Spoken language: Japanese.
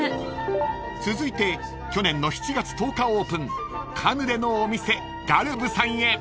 ［続いて去年の７月１０日オープンカヌレのお店ｇａｌｂｅさんへ］